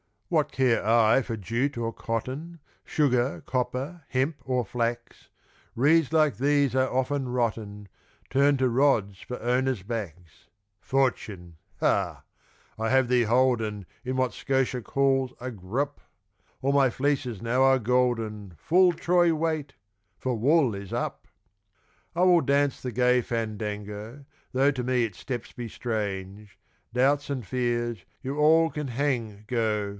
What care I for jute or cotton, Sugar, copper, hemp, or flax! Reeds like these are often rotten, Turn to rods for owners' backs. Fortune! ha! I have thee holden In what Scotia calls a "grup," All my fleeces now are golden, Full troy weight for wool is up! I will dance the gay fandango (Though to me its steps be strange), Doubts and fears, you all can hang go!